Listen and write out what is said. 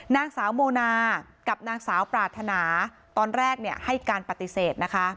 นางสาวโมนากับนางสาวปรารถนาตอนแรกให้การปฏิเสธนะคะ